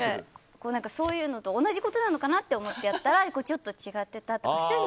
そういうのと同じことかなと思ってやったらちょっと違ってたと。